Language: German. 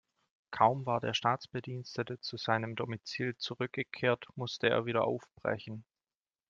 Kaum war der Staatsbedienstete zu seinem Domizil zurückgekehrt, musste er wieder aufbrechen.